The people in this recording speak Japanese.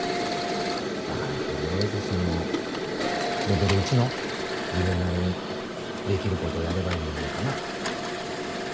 だから取りあえずそのレベル１の自分なりにできることをやればいいんじゃないかな。